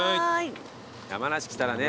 山梨来たらね